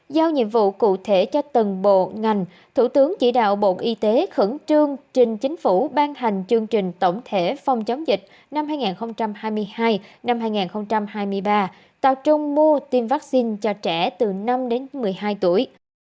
giao nhiệm vụ cụ thể cho từng bộ ngành thủ tướng chỉ đạo bộ y tế khẩn trương trình chính phủ ban hành chương trình tổng thể phòng chống dịch năm hai nghìn hai mươi hai năm hai nghìn hai mươi ba tập trung mua tiêm vaccine cho trẻ từ năm đến một mươi hai tuổi